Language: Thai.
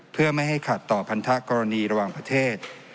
เพื่อไม่ให้ขัดต่อพันธกรณีระหว่างประเทศ